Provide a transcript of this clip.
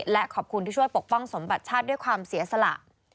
และขอบคุณที่ช่วยปกป้องสมบัติชาติด้วยความเสียสละ